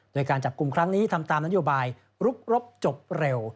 โดยการจับกลุ่มครั้งนี้ทำตามนโยบายรุกรบจบเร็ว